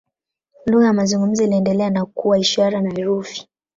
Lugha ya mazungumzo iliendelea na kuwa ishara na herufi.